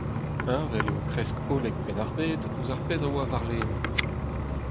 Heñvel eo kresk hollek Penn-ar-Bed ouzh ar pezh a oa warlene.